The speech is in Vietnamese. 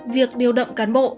việc điều động cán bộ